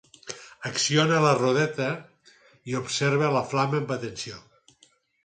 Acciona la rodeta i observa la flama amb atenció.